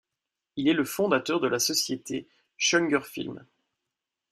Il est le fondateur de la société Schongerfilm.